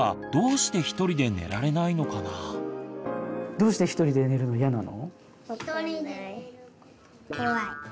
どうしてひとりで寝るのいやなの？